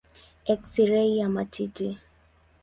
Eksirei ya matiti.